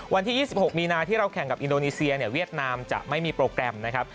วันที่๒๖มีนาที่เราแข่งกับอินโดนีเซียเนี่ยเวียดนามจะไม่มีโปรแกรมนะครับ